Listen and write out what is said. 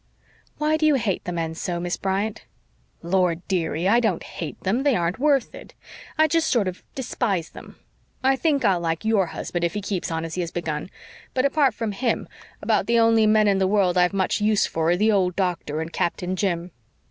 "Why do you hate the men so, Miss Bryant?" "Lord, dearie, I don't hate them. They aren't worth it. I just sort of despise them. I think I'll like YOUR husband if he keeps on as he has begun. But apart from him about the only men in the world I've much use for are the old doctor and Captain Jim."